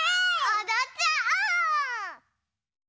おどっちゃおう！